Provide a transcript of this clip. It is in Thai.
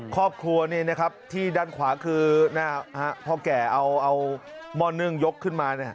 ครอบครัวที่ด้านขวาคือพ่อแก่เอาหม้อเนื่องยกขึ้นมา